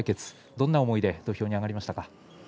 どんな思いで土俵に上がりましたか。